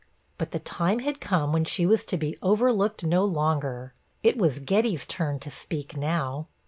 But the time had come when she was to be overlooked no longer. It was Getty's turn to speak now.